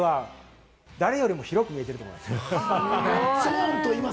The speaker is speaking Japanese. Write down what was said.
彼は誰よりも早く見せていると思います。